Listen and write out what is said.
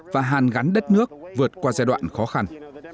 và hàn gắn đất nước vượt qua giai đoạn khó khăn